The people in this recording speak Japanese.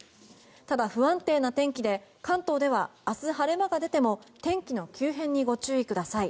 ただ、不安定な天気で関東では明日、晴れ間が出ても天気の急変にご注意ください。